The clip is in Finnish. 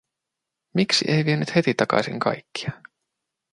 Miksi ei vienyt heti takaisin kaikkia?